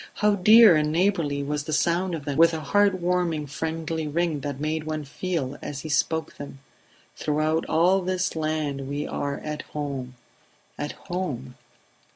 How dear and neighbourly was the sound of them, with a heart warming friendly ring that made one feel as he spoke them: "Throughout all this land we are at home ... at home